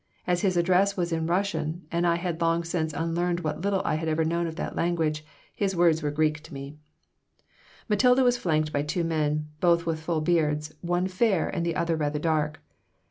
As his address was in Russian and I had long since unlearned what little I had ever known of that language, his words were Greek to me Matilda was flanked by two men, both with full beards, one fair and the other rather dark.